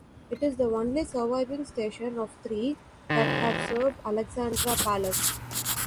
It is the only surviving station of three that have served Alexandra Palace.